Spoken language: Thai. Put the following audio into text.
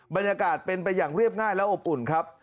บรรยากาศเป็นไปอย่างเรียบง่ายและอบอุ่นครับ